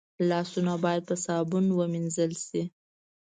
لاسونه باید په صابون ومینځل شي